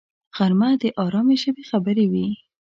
غرمه د آرامي ژبې خبرې وي